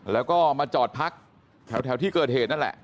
แล้วก็มาจอดพักแถวที่เกิดเหตุนั่นแหละ